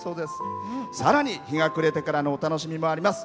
さらに日が暮れてからのお楽しみもあります。